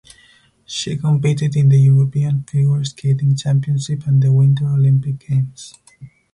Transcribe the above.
She competed in the European Figure Skating Championships and the Winter Olympic Games.